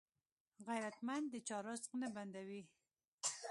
غیرتمند د چا رزق نه بندوي